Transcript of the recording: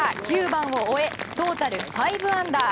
９番を終えトータル５アンダー。